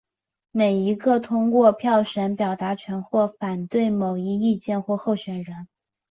每一个人通过选票表达支持或反对某一意见或候选人。